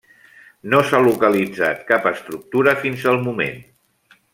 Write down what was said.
No s'ha localitzat cap estructura fins al moment.